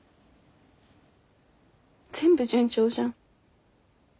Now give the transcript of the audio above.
全部順調じゃん。